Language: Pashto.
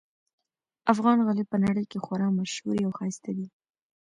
افغان غالۍ په نړۍ کې خورا ممشهوري اوښایسته دي